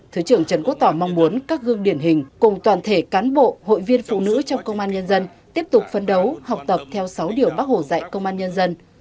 thứ trưởng trần quốc tỏ mong muốn các gương điển hình cùng toàn thể cán bộ hội viên phụ nữ trong công an nhân dân tiếp tục phấn đấu học tập theo sáu điều bác hồ dạy công an nhân dân